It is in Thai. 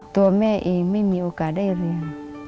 ตัวแม่เองไม่มีโอกาสได้เรียน